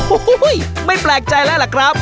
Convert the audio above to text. โอ้โหไม่แปลกใจแล้วล่ะครับ